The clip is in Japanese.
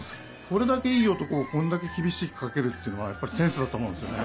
これだけいい男をこんだけきびしくかけるっていうのはやっぱりセンスだとおもうんですよね。